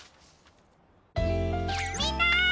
みんな！